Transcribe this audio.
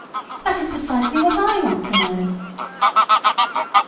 That is precisely what I want to know."